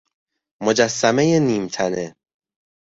مجسمه نیم تنه